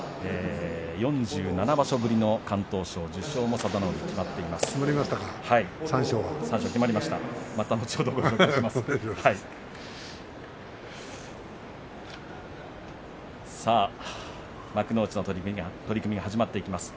４７場所ぶりの敢闘賞受賞も佐田の海、決まっています。